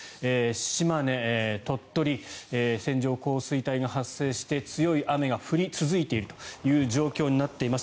島根、鳥取線状降水帯が発生して強い雨が降り続いているという状況になっています。